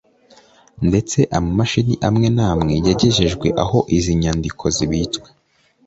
ndetse ama mashini amwe namwe yagejejwe aho izi nyandiko zibitswe